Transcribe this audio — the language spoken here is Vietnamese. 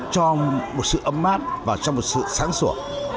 cho một sự ấm mát và cho một sự sáng sủa